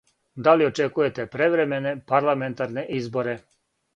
Да ли очекујете превремене парламентарне изборе?